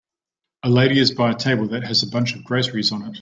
A lady is by a table that has a bunch of groceries on it.